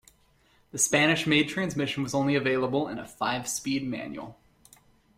The Spanish-made transmission was only available in a five-speed manual.